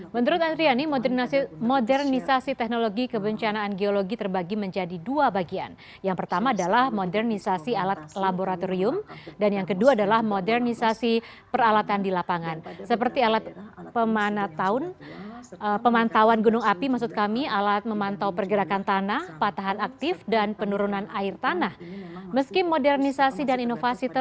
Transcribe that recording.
kepala pusat vulkanologi mitigasi dan kebencanaan andiani